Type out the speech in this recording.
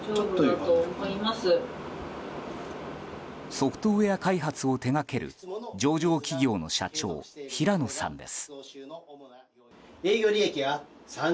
ソフトウェア開発を手掛ける上場企業の社長、平野さんです。